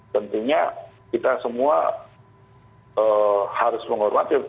tentunya kita semua harus menghormati